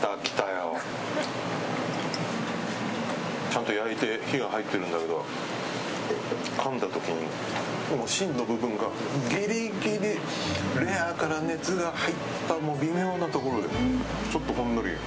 ちゃんと焼いて火が入ってるんだけどかんだ時に、芯の部分がギリギリ、レアから熱が入った微妙なところよ。